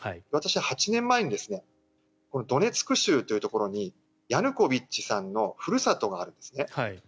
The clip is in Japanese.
私、８年前にドネツク州というところにヤヌコビッチさんのふるさとがあるんですね。